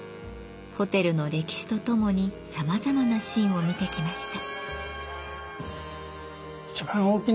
ホテルの歴史とともにさまざまなシーンを見てきました。